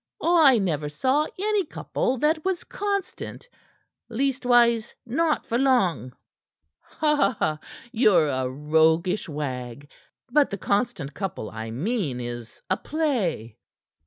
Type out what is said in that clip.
"I never saw any couple that was constant leastways, not for long." "Ha! Ye're a roguish wag! But 'The Constant Couple' I mean is a play."